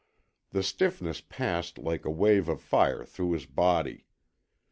The stiffness passed like a wave of fire through his body.